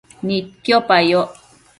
Nidquipa yoc